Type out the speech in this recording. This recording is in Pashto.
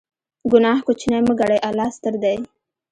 ګناه کوچنۍ مه ګڼئ، الله ستر دی.